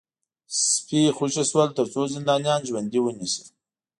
سپي خوشي شول ترڅو زندانیان ژوندي ونیسي